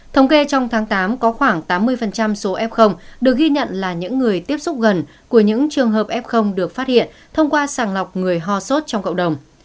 thống kê trong tháng tám có khoảng tám mươi số f được ghi nhận là những người tiếp xúc gần của những trường hợp f được phát hiện thông qua sàng lọc người ho sốt trong cộng đồng